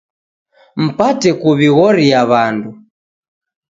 Mpate kuw'ighoria w'andu